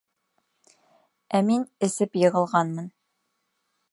Ә мин эсеп йығылғанмын.